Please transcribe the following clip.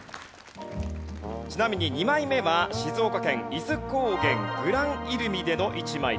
ちなみに２枚目は静岡県伊豆高原グランイルミでの一枚です。